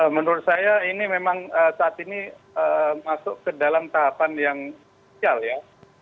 menurut saya ini memang saat ini masuk ke dalam tahapan yang spesial ya